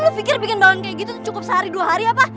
lo pikir bikin daun kayak gitu cukup sehari dua hari apa